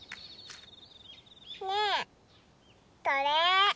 ねえこれ。